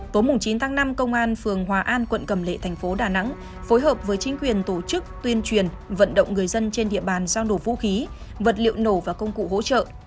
tối chín tháng năm công an phường hòa an quận cầm lệ thành phố đà nẵng phối hợp với chính quyền tổ chức tuyên truyền vận động người dân trên địa bàn giao nổ vũ khí vật liệu nổ và công cụ hỗ trợ